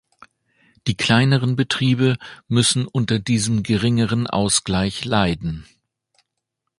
Die kleineren Betriebe müssen unter diesem geringeren Ausgleich leiden.